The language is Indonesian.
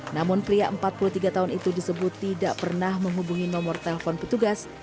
namun pria empat puluh tiga tahun itu disebut tidak pernah menghubungi nomor telepon petugas